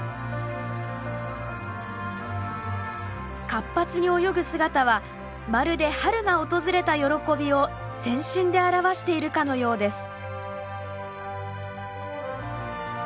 活発に泳ぐ姿はまるで春が訪れた喜びを全身で表しているかのようです。